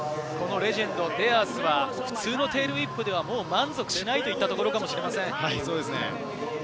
デアースは普通のテールウィップでは満足しないといったところかもしれません。